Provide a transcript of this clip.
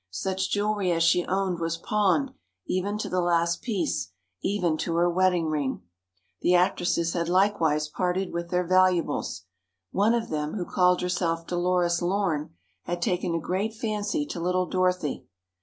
Such jewelry as she owned was pawned, even to the last piece—even to her wedding ring. The actresses had likewise parted with their valuables. One of them, who called herself Dolores Lorne, had taken a great fancy to little Dorothy.